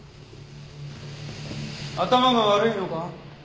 頭が悪いのか？